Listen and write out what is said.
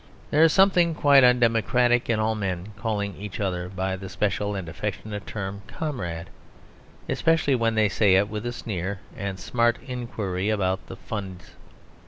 There is something quite undemocratic in all men calling each other by the special and affectionate term "comrade"; especially when they say it with a sneer and smart inquiry about the funds.